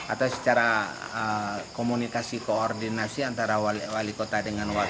atau secara komunikasi koordinasi antara wali kota dengan wakil